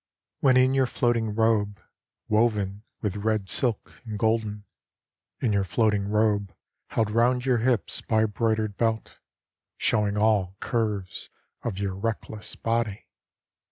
WHEN in your floating robe, Woven with red silk and golden, In your floating robe Held round your hips By a broidered belt, Showing all curves Of your reckless body.